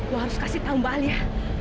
lo harus kasih tau mbak alia